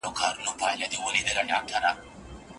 نومونه بايد ښه معنی او مفهوم ولري.